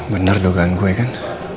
bener dogan gue kan